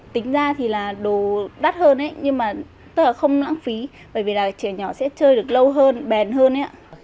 tính ra thì là đồ đắt hơn nhưng mà tất cả không lãng phí bởi vì là chị nhỏ sẽ chơi được lâu hơn bền hơn